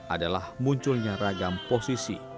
adalah munculnya ragam posisi